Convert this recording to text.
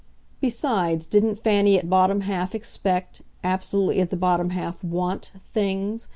Besides, didn't Fanny at bottom half expect, absolutely at the bottom half WANT, things?